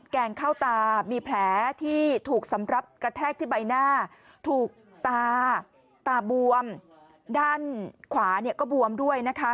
แกงเข้าตามีแผลที่ถูกสำหรับกระแทกที่ใบหน้าถูกตาตาบวมด้านขวาเนี่ยก็บวมด้วยนะคะ